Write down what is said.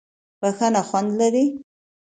بښنه خوند لري.